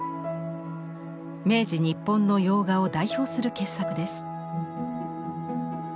明治日本の洋画を代表する傑作です。